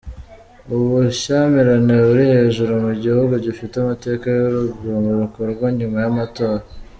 Ubushyamirane buri hejuru mu gihugu gifite amateka y’urugomo rukorwa nyuma y’amatora.